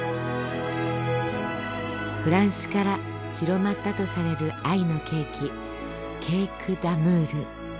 フランスから広まったとされる愛のケーキケーク・ダムール。